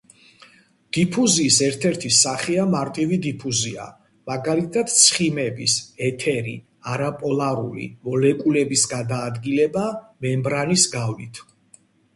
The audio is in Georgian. დიფუზიის ერთ-ერთი სახეა მარტივი დიფუზია. მაგალითად ცხიმების, ეთერი, არაპოლარული მოლეკულების გადაადგილება მემბრანის გავლით.